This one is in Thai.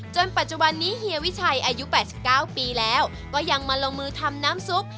ปัจจุบันนี้เฮียวิชัยอายุ๘๙ปีแล้วก็ยังมาลงมือทำน้ำซุป